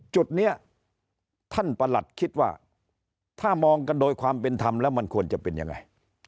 จุดนี้ท่านประหลัดคิดว่าถ้ามองกันโดยความเป็นธรรมแล้วมันควรจะเป็นยังไง